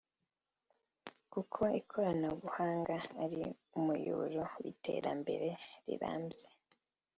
kuko ikoranabuhanga ari umuyoboro w’iterambere rirambye